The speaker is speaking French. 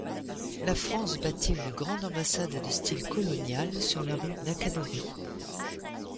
La France bâtit une grande ambassade de style colonial sur la rue Naka-Dōri.